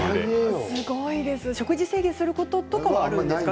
食事制限をすることはあるんですか？